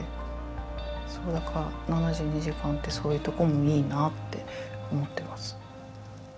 そうだから「７２時間」ってそういうとこもいいなって思ってます。